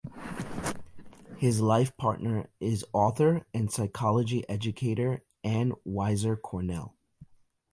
His life partner is author and psychology educator Ann Weiser Cornell.